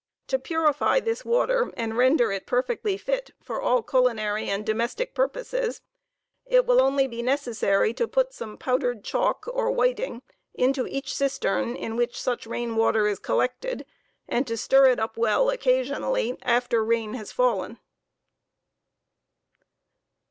30 To purify this water, and render it perfectly fit for all culinary and domestic pur poses, it will only be necessary to put some powdered chalk or whiting into each cistern in which such rain water is collected, and to stir it up well, occasionally, after rain has fallen.